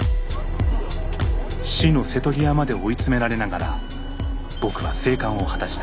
死の瀬戸際まで追い詰められながら僕は生還を果たした。